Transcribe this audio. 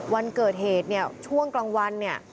วันเกิดเหตุเนี่ยช่วงกลางวันเนี่ย